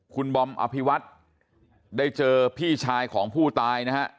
คุณบอมอภิวัฒน์ได้เจอพี่ชายของผู้ตายนะฮะ